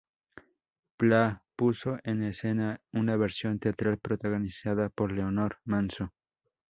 Plá puso en escena una versión teatral protagonizada por Leonor Manso.